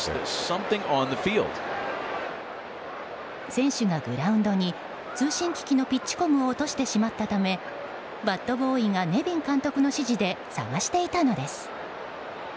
選手がグラウンドに通信機器のピッチコムを落としてしまったためバットボーイがネビン監督の指示で探していたのです。